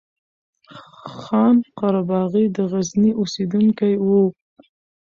خان قرباغی د غزني اوسيدونکی وو